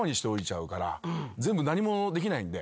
全部何もできないんで。